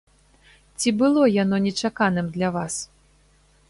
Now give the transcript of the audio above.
Ці было яно нечаканым для вас?